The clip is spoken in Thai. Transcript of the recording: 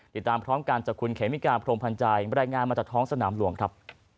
ติดตามพร้อมกันจากคุณเขมิกาพรมพันธ์ใจบรรยายงานมาจากท้องสนามหลวงครับ